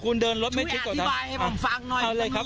ชุดถามแปลให้ผมฟังหน่อย